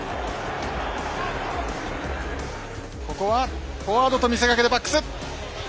ここはフォワードと見せかけてバックス！